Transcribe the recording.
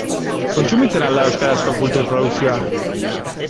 Kontsumitzen al da euskarazko kultur produkzioa?